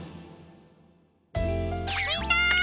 みんな！